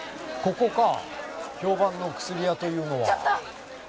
ここか評判の薬屋というのは。